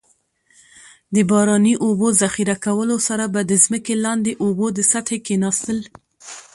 د باراني اوبو ذخیره کولو سره به د ځمکې لاندې اوبو د سطحې کیناستل.